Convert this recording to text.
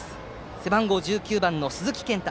背番号１９番の鈴木健太。